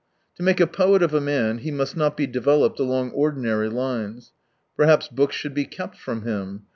To make a poet of a man, he must not be developed along ordinary lines. Perhaps books should be kept from him.